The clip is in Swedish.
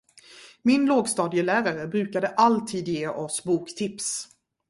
Min lågstadielärare brukade alltid ge oss boktips.